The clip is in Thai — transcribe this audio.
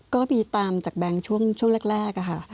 ก็มีตามจากแบงค์ช่วงแรกค่ะ